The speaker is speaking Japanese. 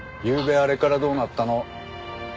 「ゆうべあれからどうなったの？」